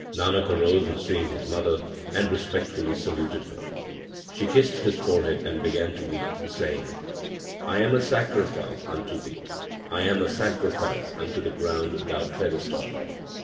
Nanak arose on seeing his mother, and respect fully saluted her. She kissed his forehead and began to weep, saying, I am a sacrifice unto thee. I am a sacrifice unto the ground thou treadest on.